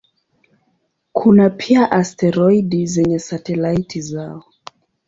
Kuna pia asteroidi zenye satelaiti zao.